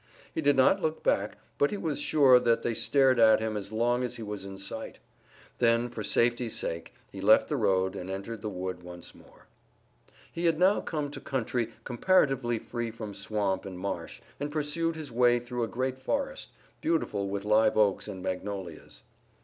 He did not look back, but he was sure that they stared at him as long as he was in sight. Then, for safety's sake, he left the road and entered the wood once more. He had now come to country comparatively free from swamp and marsh, and pursued his way through a great forest, beautiful with live oaks and magnolias.